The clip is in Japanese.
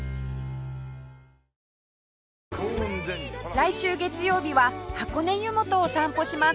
来週月曜日は箱根湯本を散歩します